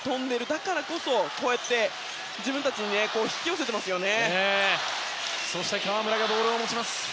だからこそこうして、自分たちに引き寄せていますよね。